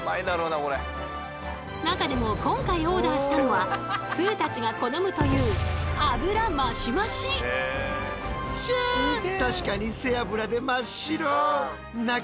中でも今回オーダーしたのは通たちが好むといううまそっ！